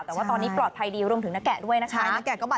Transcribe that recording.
แต่ว่าตอนนี้ปลอดภัยดีรวมถึงนักแกะด้วยนะคะ